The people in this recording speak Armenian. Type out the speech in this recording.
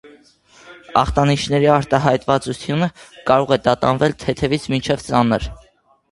Ախտանիշների արտահայտվածությունը կարող է տատանվել թեթևից մինչև ծանր։